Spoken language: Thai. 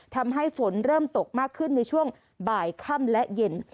ทำให้ฝนเริ่มตกมากขึ้นในช่วงบ่ายค่ำและเย็น